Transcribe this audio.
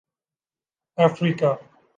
افریقہ